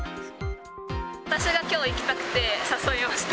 私がきょう行きたくて、誘いました。